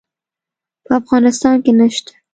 په افغانستان کې نشته